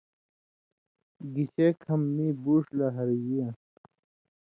گِشےۡ کھم مِیں بُوڇھ لہ ہرژِیان٘س۔